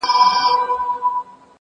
زه کولای سم چايي وڅښم!!